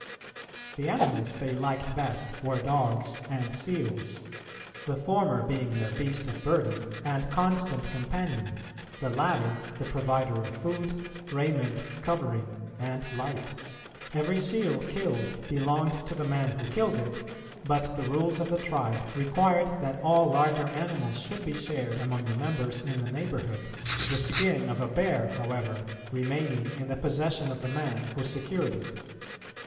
The animals they liked best were dogs and seals; the former being their beast of burden and constant companion, the latter the provider of food, raiment, covering, and light. Every seal killed belonged to the man who killed it, but the rules of the tribe required that all larger animals should be shared among the members in the neighbourhood; the skin of a bear, however, remaining in the possession of the man who secured it.